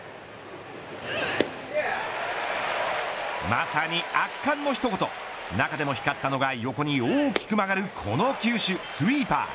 まさに圧巻の一言中でも光ったのが横に大きく曲がるこの球種、スイーパー。